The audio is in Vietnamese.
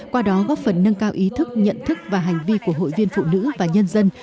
qua đó góp phần nâng cao ý thức nhận thức và hành vi của hội viên phụ nữ và nhân dân